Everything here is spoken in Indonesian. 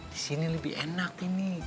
di sini lebih enak ini